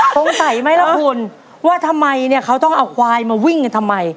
สงสัยไหมล่ะคุณว่าทำไมเนี่ยเขาต้องเอาควายมาวิ่งกันทำไม